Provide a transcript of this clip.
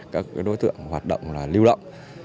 các đối tượng hoạt động lưu động